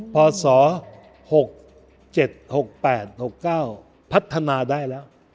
พศ๖๗๖๘๖๙พัฒนาได้แล้ว